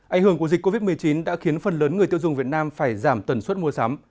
ảnh hưởng của dịch covid một mươi chín đã khiến phần lớn người tiêu dùng việt nam phải giảm tần suất mua sắm